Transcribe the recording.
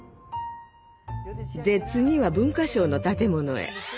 で次は文化省の建物へ。